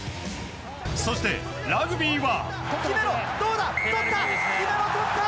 そして、ラグビーは。